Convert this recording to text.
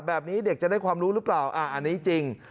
แบบนี้เด็กจะได้ความรู้หรือเปล่าอันนี้จริง